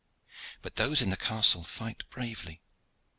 But those in the castle fight bravely.